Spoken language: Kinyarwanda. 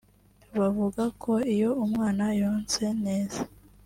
bavuga ko iyo umwana yonse neza